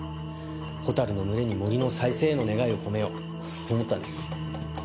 ホタルの群れに森の再生への願いを込めようそう思ったんです。